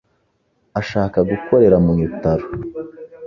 Ashaka gukorera mu bitaro.